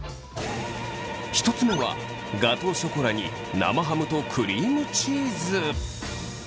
１つ目はガトーショコラに生ハムとクリームチーズ。